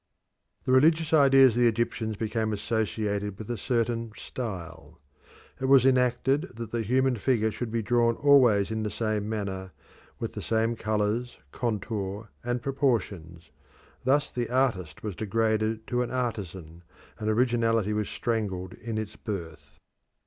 The religious ideas of the Egyptians became associated with a certain style. It was enacted that the human figure should be drawn always in the same manner, with the same colours, contour, and proportions. Thus the artist was degraded to an artisan, and originality was strangled in its birth.